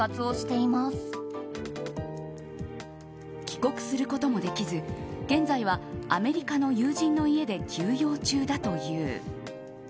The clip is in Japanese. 帰国することもできず現在はアメリカの友人の家で休養中だという。